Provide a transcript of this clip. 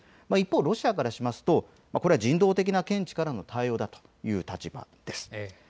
一方、ロシアからしますと、人道的な見地からの対応だという立場なんです。